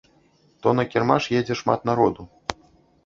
То на кірмаш едзе шмат народу.